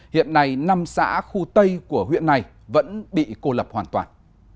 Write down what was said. hiện nay năm xã khu tây của huyện này vẫn bị cô lập hoàn toàn